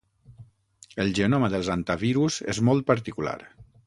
El genoma dels Hantavirus és molt particular.